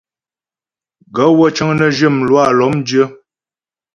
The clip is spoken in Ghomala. Gaə̂ wə́ cə́ŋ nə́ zhyə mlwâ lɔ́mdyə́.